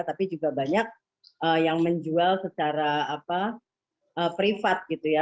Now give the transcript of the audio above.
tapi juga banyak yang menjual secara privat gitu ya